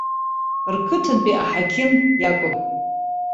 Рқыҭантәи аҳақьым иакәын.